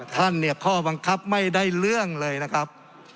ท่านเนี่ยข้อบังคับไม่ได้เรื่องเลยนะครับ